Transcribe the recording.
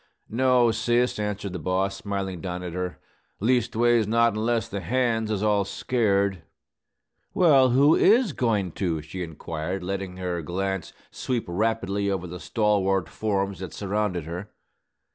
"No, sis," answered the boss, smiling down at her, "leastways, not unless the hands is all scared." "Well, who is goin' to?" she inquired, letting her glance sweep rapidly over the stalwart forms that surrounded her.